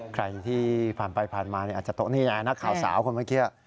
ใครที่ผ่านไปผ่านมาอาจจะโต๊ะนี่ไงนักข่าวสาวคนเมื่อกี้